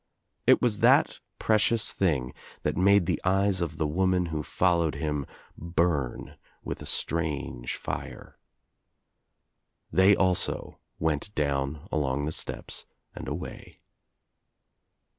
It was that pre cious thing that made the eyes of the woman who fol lowed him burn with a strange fire. They also went down along the steps and away.